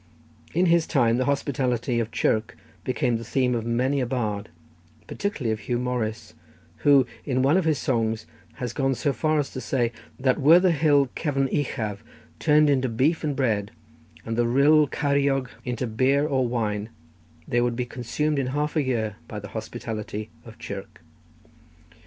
In his time the hospitality of Chirk became the theme of many a bard, particularly of Huw Morris, who, in one of his songs, has gone so far as to say that were the hill of Cefn Uchaf turned into beef and bread, and the rill Ceiriog into beer or wine, they would be consumed in half a year by the hospitality of Chirk.